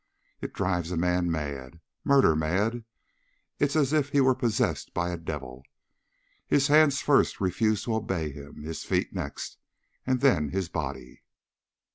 It drives a man mad, murder mad. It is as if he were possessed by a devil. His hands first refuse to obey him. His feet next. And then his body.